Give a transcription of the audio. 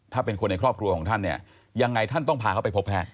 ถ้าเป็นคนในครอบครัวของท่านเนี่ยยังไงท่านต้องพาเขาไปพบแพทย์